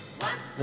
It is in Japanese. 何？